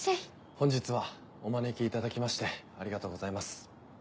本日はお招きいただきましてありがとうございます。